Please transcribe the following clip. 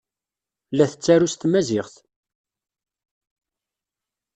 La tettaru s tmaziɣt.